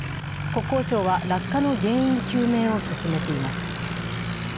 国交省は落下の原因究明を進めています。